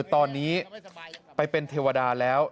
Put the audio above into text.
ตอนนี้ไปเป็นเทวดาแล้ว